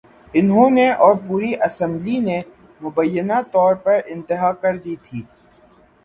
انہوں نے اور پوری اسمبلی نے مبینہ طور پر انتہا کر دی تھی۔